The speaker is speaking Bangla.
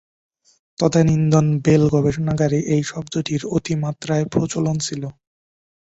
তদানিন্তন বেল্ গবেষণাগারে এই শব্দটির অতিমাত্রায় প্রচলন ছিল।